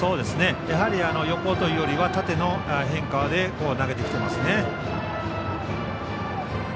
やはり横よりも縦の変化で投げてきていますね。